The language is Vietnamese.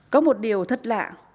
có một điều thật lạ